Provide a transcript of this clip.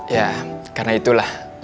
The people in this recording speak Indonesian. ya karena itulah